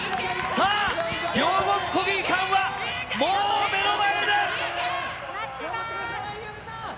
さあ、両国国技館はもう目の前です。